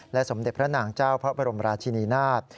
สมเด็จพระนางเจ้าพระบรมราชินีนาฏ